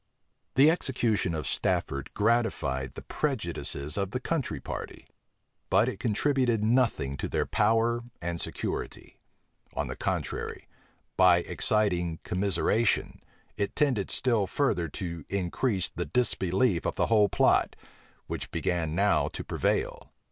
The execution of Stafford gratified the prejudices of the country party; but it contributed nothing to their power and security: on the contrary, by exciting commiseration, it tended still further to increase the disbelief of the whole plot, which began now to prevail.